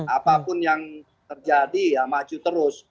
apapun yang terjadi ya maju terus